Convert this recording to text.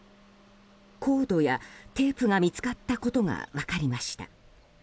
コードやテープが見つかったことが分かりました。